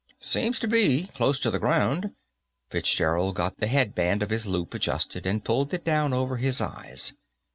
"Seems to be, close to the ground." Fitzgerald got the headband of his loup adjusted, and pulled it down over his eyes.